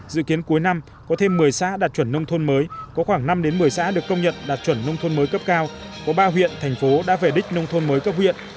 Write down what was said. dự kiến cuối năm có thêm một mươi xã đạt chuẩn nông thôn mới có khoảng năm một mươi xã được công nhận đạt chuẩn nông thôn mới cấp cao có ba huyện thành phố đã về đích nông thôn mới cấp huyện